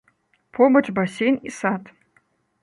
Побач басейн і сад.